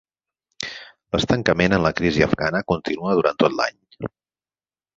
L'estancament en la crisis afgana continua durant tot l'any.